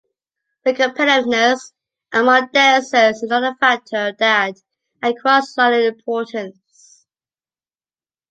The competitiveness among dancers is another factor that acquires a lot of importance.